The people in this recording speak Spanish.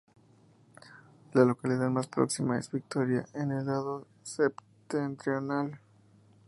La localidad más próxima es Victoria, en el lado septentrional.